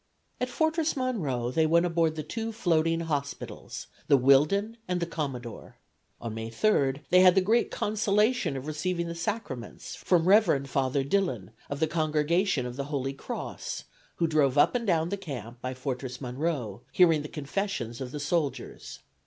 At Fortress Monroe they went aboard the two floating hospitals, the "Whillden" and the "Commodore." On May 3 they had the great consolation of receiving the Sacraments from Rev. Father Dillon, of the Congregation of the Holy Cross, who drove up and down the Camp by Fortress Monroe, hearing the confessions of the soldiers.